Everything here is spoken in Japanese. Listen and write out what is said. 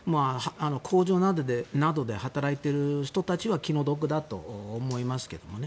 工場などで働いている人たちは気の毒だと思いますけどね。